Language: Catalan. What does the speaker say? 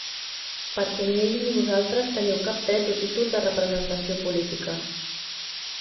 Perquè ni ell ni vosaltres teniu cap dret o títol de representació política.